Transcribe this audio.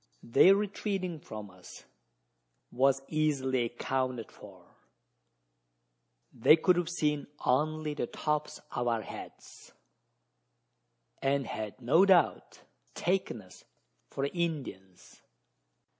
Their retreating from us was easily accounted for: they could have seen only the tops of our heads, and had no doubt taken us for Indians!